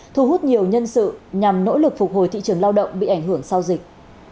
thu hút nhiều nhân sự nhằm nỗ lực phục hồi thị trường lao động bị ảnh hưởng sau dịch